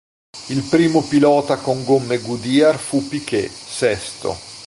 Il primo pilota con gomme Goodyear fu Piquet, sesto.